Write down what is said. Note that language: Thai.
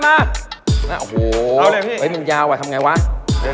โอ้โฮเฮ้ยมันยาวว่ะทำไงวะเอาเลยพี่